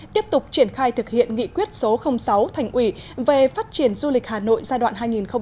tiếp tục triển khai thực hiện nghị quyết số sáu thành ủy về phát triển du lịch hà nội giai đoạn